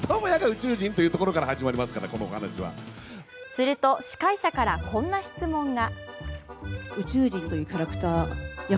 すると司会者からこんな質問が。